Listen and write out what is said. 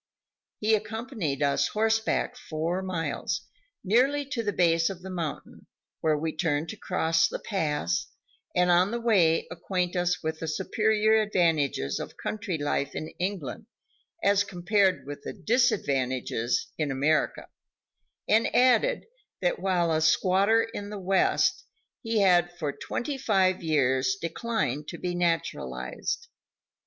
He accompanied us horseback four miles, nearly to the base of the mountain, where we turned to cross the pass, and on the way acquaint us with the superior advantages of country life in England as compared with the disadvantages in America, and admitted that, while a squatter in the West, he had for twenty five years declined to be naturalized.